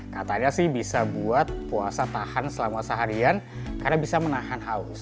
katanya sih bisa buat puasa tahan selama seharian karena bisa menahan haus